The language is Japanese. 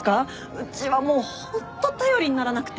うちはもうホント頼りにならなくて。